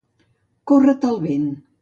Córrer tal vent.